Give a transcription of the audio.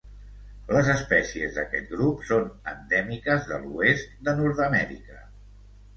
Les espècies d'aquest grup són endèmiques de l'oest de Nord-amèrica.